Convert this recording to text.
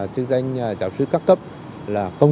cho danh giáo sư cấp cấp là công